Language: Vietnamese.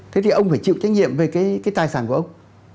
thế thì ông phải chịu trách nhiệm về cái tài sản của ông